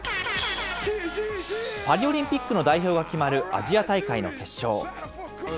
パリオリンピックの代表が決まるアジア大会の決勝。